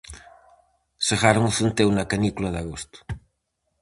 Segaron o centeo na canícula de agosto.